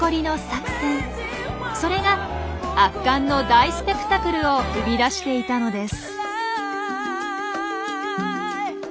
それが圧巻の大スペクタクルを生み出していたのです。